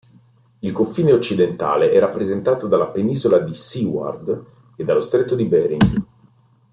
Il confine occidentale è rappresentato dalla Penisola di Seward e dallo stretto di Bering.